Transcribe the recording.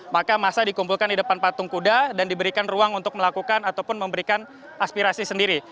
maka masa dikumpulkan di depan patung kuda dan diberikan ruang untuk melakukan ataupun memberikan aspirasi sendiri